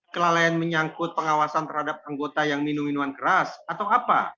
kelalaian menyangkut pengawasan terhadap anggota yang minum minuman keras atau apa